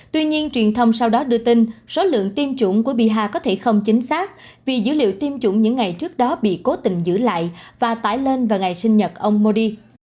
tuy nhiên truyền thông sau đó đưa tin số lượng tiêm chủng của biaha có thể không chính xác vì dữ liệu tiêm chủng những ngày trước đó bị cố tình giữ lại và tải lên vào ngày sinh nhật ông modi